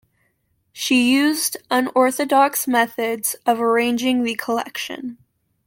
She used unorthodox methods of arranging the collection.